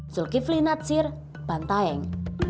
zulkifli natsir bantaeng